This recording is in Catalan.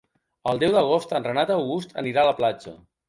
El deu d'agost en Renat August anirà a la platja.